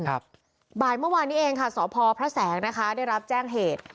บ่ายเมื่อวานนี้เองค่ะสพพระแสงนะคะได้รับแจ้งเหตุ